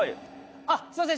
あっすいません